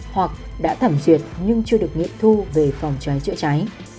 hoặc đã thẩm duyệt nhưng chưa được nghiệm thu về phòng cháy chữa cháy